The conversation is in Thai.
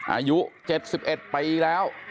อายุ๗๑ปีแล้ว